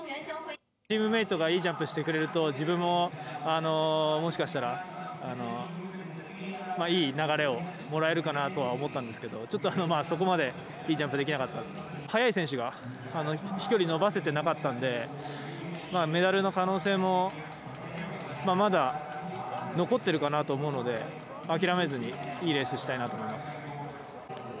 チームメートがいいジャンプしてくれると自分ももしかしたらいい流れをもらえるかなとは思ったんですけどちょっとそこまでいいジャンプできなかったので速い選手が飛距離伸ばせていなかったのでメダルの可能性もまだ残っているかなと思うので諦めずにいいレースしたいなと思います。